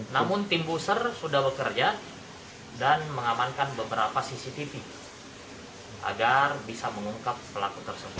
namun tim booster sudah bekerja dan mengamankan beberapa cctv agar bisa mengungkap pelaku tersebut